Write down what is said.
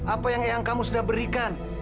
apa yang kamu sudah berikan